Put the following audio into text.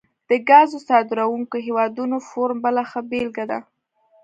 د ګازو صادرونکو هیوادونو فورم بله ښه بیلګه ده